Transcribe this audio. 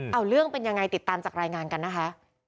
เอาเรื่องเป็นยังไงติดตามจากรายงานกันนะคะ